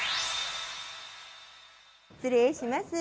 失礼します。